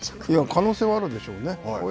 可能性はあるでしょうね。